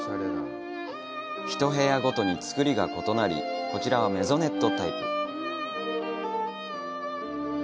一部屋ごとに造りが異なりこちらはメゾネットタイプ。